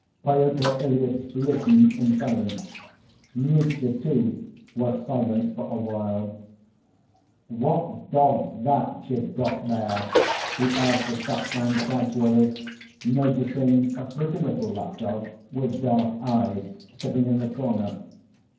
Pyotr Ilyitch listened in silence. Mitya, too, was silent for a while. "What dog's that you've got here?" he asked the shopman, casually, noticing a pretty little lap‐dog with dark eyes, sitting in the corner.